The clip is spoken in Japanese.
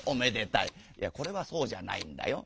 「いやこれじゃそうじゃないんだよ。